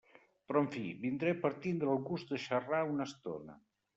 Però en fi, vindré per tindre el gust de xarrar una estona.